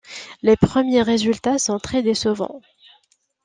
Les premiers résultats sont très décevants.